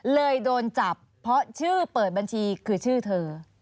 โดนจับเพราะชื่อเปิดบัญชีคือชื่อเธอ